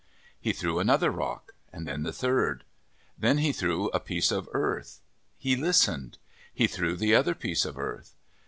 He threw another rock ; then the third. Then he threw a piece of earth. He listened. He threw the other piece of earth.